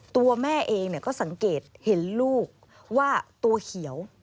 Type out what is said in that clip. ตัวแม่เองก็สังเกตเห็นลูกว่าตัวเขียว